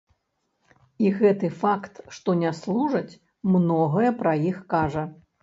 І гэты факт, што не служаць, многае пра іх кажа.